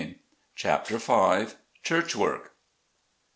41 CHAPTER V CHURCH WORK.